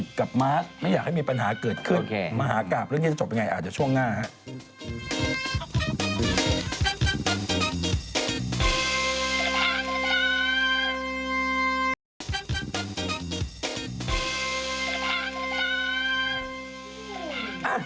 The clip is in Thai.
แต่ล่ะที่หลังกูไม่มาเองเคยต้องหาเกณฑ์